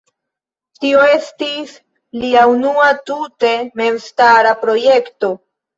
Tio estis lia unua tute memstara projekto.